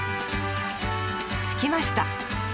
着きました！